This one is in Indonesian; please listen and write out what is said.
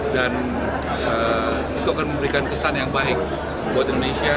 dan itu akan memberikan kesan yang baik buat indonesia